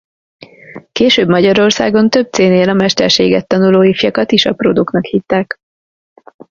Később Magyarországon több céhnél a mesterséget tanuló ifjakat is apródoknak hívták.